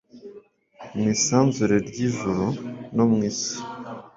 Mw isanzure ryijuru no mw isi